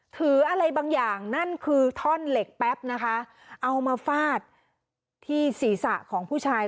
ถืออะไรบางอย่างนั่นคือท่อนเหล็กแป๊บนะคะเอามาฟาดที่ศีรษะของผู้ชาย